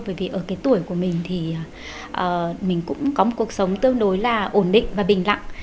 bởi vì ở cái tuổi của mình thì mình cũng có một cuộc sống tương đối là ổn định và bình đẳng